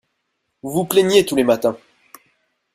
Vous vous plaigniez tous les matins.